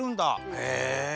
へえ。